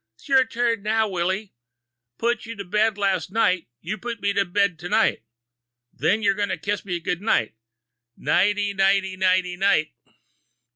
"'Syour turn now, Willy. Put you to bed last night, you put me to bed t' night. Then you gotta kiss me good night. Nighty night, nighty night."